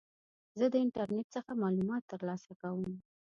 زه د انټرنیټ څخه معلومات ترلاسه کوم.